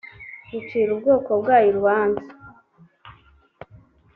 ngo icire ubwoko bwayo urubanza